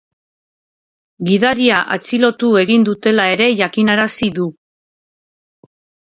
Gidaria atxilotu egin dutela ere jakinarazi du.